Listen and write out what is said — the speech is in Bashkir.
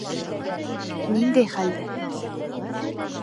Ниндәй... хәлде?